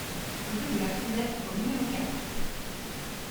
Rue de la Fondette au numéro quatre